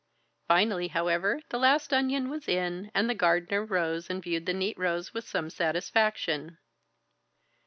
Finally, however, the last onion was in, and the gardener rose and viewed the neat rows with some satisfaction.